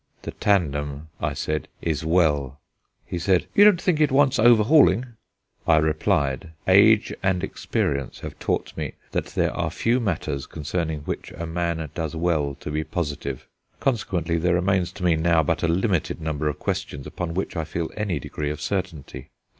"The tandem," I said, "is well." He said: "You don't think it wants overhauling?" I replied: "Age and experience have taught me that there are few matters concerning which a man does well to be positive. Consequently, there remain to me now but a limited number of questions upon which I feel any degree of certainty.